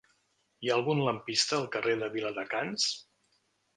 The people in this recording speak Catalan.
Hi ha algun lampista al carrer de Viladecans?